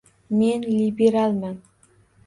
Men liberalman.